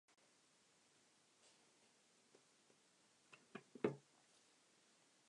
The name of this district traces back to the duchy of Mecklenburg-Strelitz.